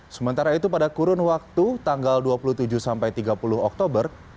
sementara itu pada kurun waktu tanggal dua puluh tujuh sampai tiga puluh oktober